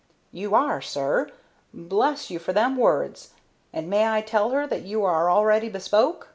"You are, sir? Bless you for them words! And may I tell her that you are already bespoke?"